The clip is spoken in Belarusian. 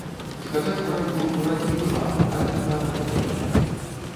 Сказаць праўду, то раней была, але народ падзяліў.